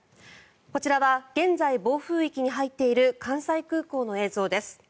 こちらは現在暴風域に入っている関西空港の映像です。